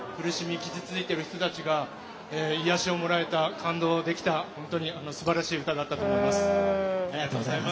傷ついている人たちが癒やしをもらえた、感動できた本当にすばらしい歌だったと思います。